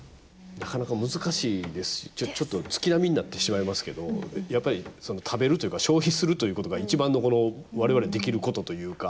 なかなか難しいですし月並みになってしまいますけどやっぱり食べるというか消費するということが一番の我々にできることというか。